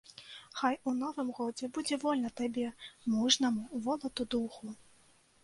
Хай у новым годзе будзе вольна табе, мужнаму волату духу!